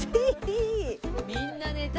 みんな寝た。